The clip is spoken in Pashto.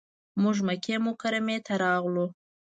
موږ مکې مکرمې ته راغلو.